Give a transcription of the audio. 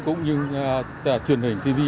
cũng như truyền hình tv